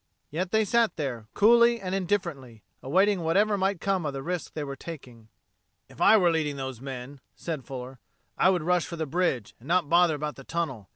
Yet they sat there, coolly and indifferently, awaiting whatever might come of the risk they were taking. "If I were leading those men," said Fuller, "I would rush for the bridge, and not bother about the tunnel.